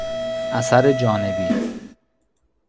اثر جانبی